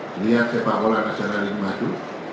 melihat sepak bola nasional yang maju